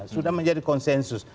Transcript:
sudah menjadi konsensus